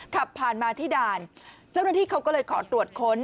ขับผ่านมาที่ด่านเจ้าหน้าที่เขาก็เลยขอตรวจค้น